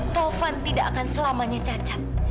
tovan tidak akan selamanya cacat